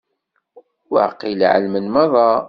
Waqil εelmen merra.